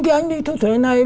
cái anh đi thu thuế này